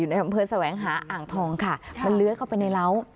ได้ทำเพิศแสวงหาอ่างทองค่ะมันเลือดเข้าไปในร้าว